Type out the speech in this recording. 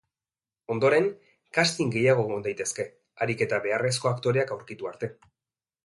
Ondoren, casting gehiago egon daitezke, harik eta beharrezko aktoreak aurkitu arte.